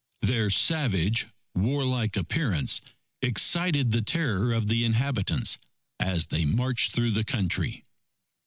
Their savage, warlike appearance excited the terror of the inhabitants as they marched through the country.